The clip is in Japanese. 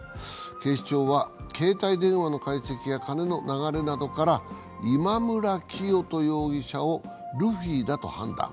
警視庁は携帯電話の解析や金の流れなどから今村磨人容疑者をルフィだと判断。